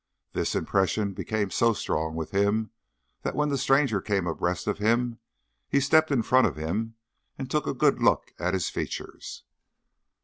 This impression became so strong with him, that when the stranger came abreast of him he stepped in front of him and took a good look at his features.